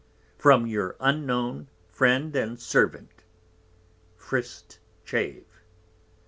From your unknown Friend and Servant, Frist. Chave.